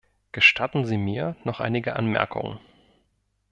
Gestatten Sie mir noch einige Anmerkungen.